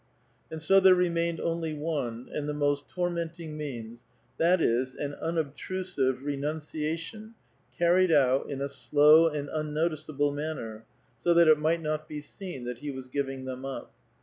And so there remained only one, and the most tormenting means, that is, an unobtrusive renunciation car rie<l. out in a slow and unnoticeable manner, so that it might not be seen that he was giving them up.